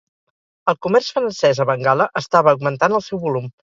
El comerç francés a Bengala estava augmentant el seu volum.